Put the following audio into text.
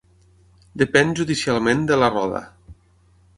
Depèn judicialment de La Roda.